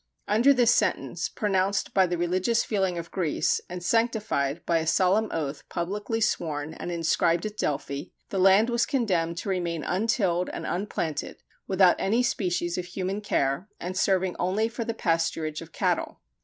Under this sentence, pronounced by the religious fooling of Greece, and sanctified by a solemn oath publicly sworn and inscribed at Delphi, the land was condemned to remain untilled and implanted, without any species of human care, and serving only for the pasturage of cattle.